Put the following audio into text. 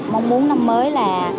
mong muốn năm mới là